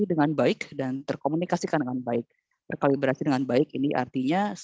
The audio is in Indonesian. dengan baik dan terkomunikasikan dengan baik terkolaborasi dengan baik ini artinya